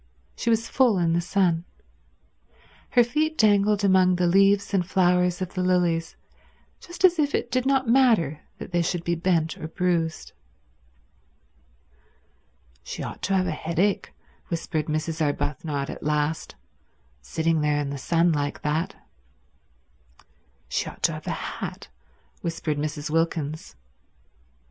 She was full in the sun. Her feet dangled among the leaves and flowers of the lilies just as if it did not matter that they should be bent or bruised. "She ought to have a headache," whispered Mrs. Arbuthnot at last, "sitting there in the sun like that." "She ought to have a hat," whispered Mrs. Wilkins.